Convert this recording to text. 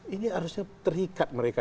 ini harusnya terikat mereka